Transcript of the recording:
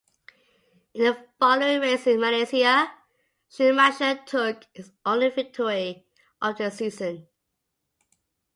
In the following race in Malaysia, Schumacher took his only victory of the season.